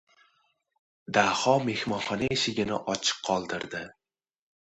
Daho mehmonxona eshigini ochiq qoldirdi.